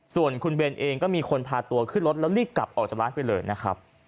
ส่วนคุณเบนเองก็มีคนพาตัวขึ้นรถแล้วรีบกลับออกจากร้านไปเลยนะครับ